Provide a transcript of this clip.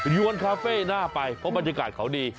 ยวนคาเฟ่น่าไปเพราะบรรยากาศเขาดี